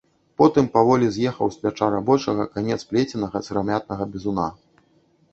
Потым паволі з'ехаў з пляча рабочага канец плеценага сырамятнага бізуна.